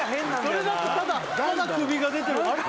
それだとただただ首が出てるあれ？